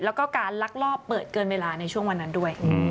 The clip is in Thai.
แล้วก็การลักลอบเปิดเกินเวลาในช่วงวันนั้นด้วย